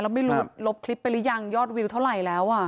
แล้วไม่รู้ลบคลิปไปหรือยังยอดวิวเท่าไหร่แล้ว